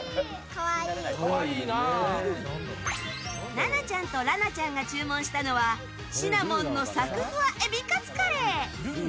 奈々ちゃんと星奈ちゃんが注文したのはシナモンのサクふわエビカツカレー。